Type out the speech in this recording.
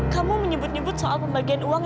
kamu menyebut nyebut soal pembagian uang